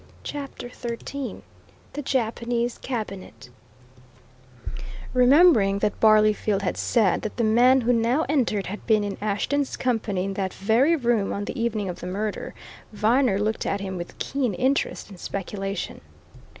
CHAPTER XIII THE JAPANESE CABINET Remembering that Barleyfield had said that the man who now entered had been in Ashton's company in that very room on the evening of the murder, Viner looked at him with keen interest and speculation.